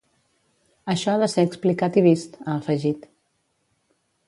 Això ha de ser explicat i vist, ha afegit.